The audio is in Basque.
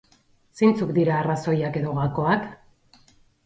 Zeintzuk izan dira arraoziak edo gakoak?